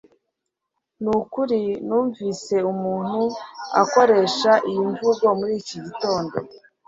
Nukuri numvise umuntu akoresha iyi mvugo muri iki gitondo